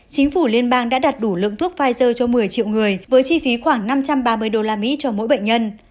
chính phủ liên bang đã đặt đủ lượng thuốc pfizer cho một mươi triệu người với chi phí khoảng năm trăm ba mươi usd cho mỗi bệnh nhân